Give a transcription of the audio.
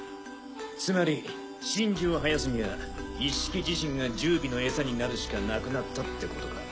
つまり神樹を生やすにはイッシキ自身が十尾の餌になるしかなくなったってことか。